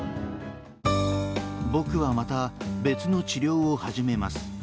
僕はまた別の治療を始めます。